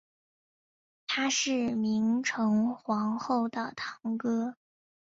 他是明成皇后的堂哥。